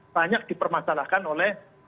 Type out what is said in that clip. banyak dipermasalahkan oleh